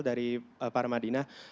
dari parma dina